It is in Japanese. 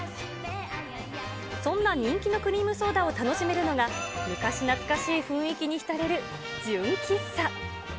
そんな人気のクリームソーダを楽しめるのが、昔懐かしい雰囲気に浸れる純喫茶。